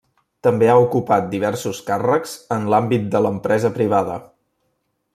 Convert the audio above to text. També ha ocupat diversos càrrecs en l'àmbit de l'empresa privada.